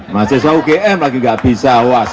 mahasiswa ugm lagi gak bisa was